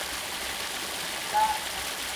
ایا په ورځ کي د مېوې خوړل د ډاکټر اړتیا کموي؟